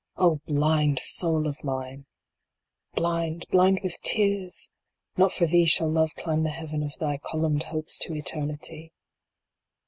O blind Soul of mine ! V. Blind, blind with tears ! Not for thee shall Love climb the Heaven of thy columned Hopes to Eternity